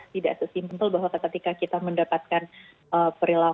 tidak sesimpel bahwa ketika kita mendapatkan perilaku